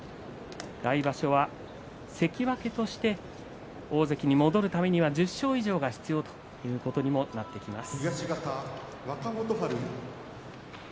来場所は関脇として大関に戻るためには１０勝以上が必要となります。